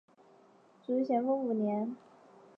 卒于咸丰五年。